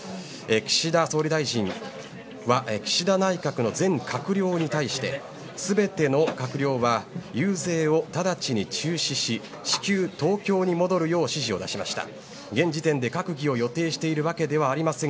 岸田総理大臣は岸田内閣の全閣僚に対して全ての閣僚は遊説を直ちに中止し至急、東京に戻るよう指示を出しました。